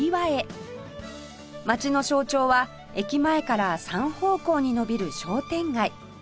街の象徴は駅前から三方向に延びる商店街